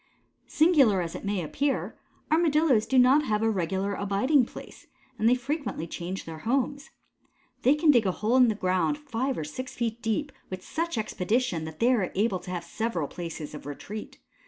Singular as it may appear, Armadillos do not have a regular abiding place, and they frequently change their homes. They can dig a hole in the ground five or six feet deep with such expedition that they are able to have several places of retreat.